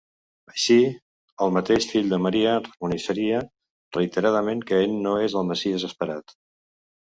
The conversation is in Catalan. Així, el mateix fill de Maria reconeixeria reiteradament que ell no és el Messies esperat.